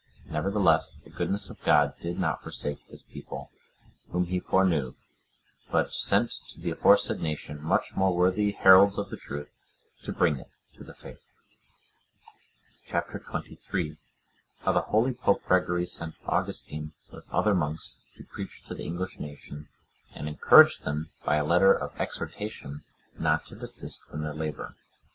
Nevertheless, the goodness of God did not forsake his people, whom he foreknew, but sent to the aforesaid nation much more worthy heralds of the truth, to bring it to the faith. Chap. XXIII. How the holy Pope Gregory sent Augustine, with other monks, to preach to the English nation, and encouraged them by a letter of exhortation, not to desist from their labour.